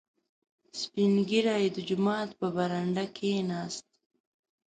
• سپین ږیری د جومات په برنډه کښېناست.